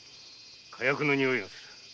火薬のにおいがする。